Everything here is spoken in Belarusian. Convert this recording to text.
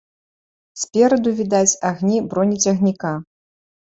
Спераду відаць агні бронецягніка.